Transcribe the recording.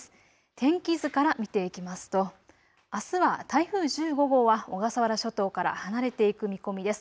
天気図から見ていきますとあすは台風１５号は小笠原諸島から離れていく見込みです。